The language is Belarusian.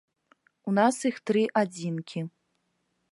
У нас іх тры адзінкі.